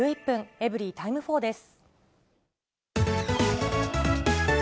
エブリィタイム４です。